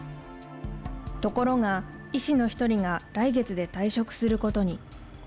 ところが医師の１人が来月で退職することに。